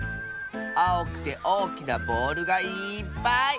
あおくておおきなボールがいっぱい！